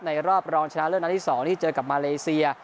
ในรอบรองชนะเรื่องนับที่สองที่เจอกับมาเฬซีย